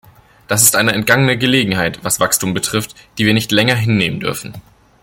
Das ist eine entgangene Gelegenheit, was Wachstum betrifft, die wir nicht länger hinnehmen dürfen.